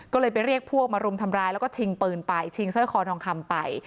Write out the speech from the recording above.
ก็เลยไปเรียกพวกมารุมทำร้ายแล้วก็ชิงปืนไปชิงสร้อยคอทองคำไป